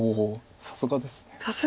さすがです。